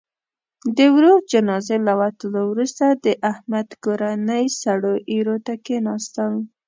د ورور جنازې له وتلو وروسته، د احمد کورنۍ سړو ایرو ته کېناستل.